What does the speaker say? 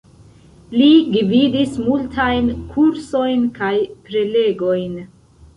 Li gvidis multajn kursojn kaj prelegojn.